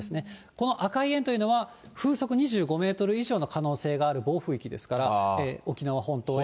この赤い円というのは、風速２５メートル以上の可能性がある暴風域ですから、沖縄本島や。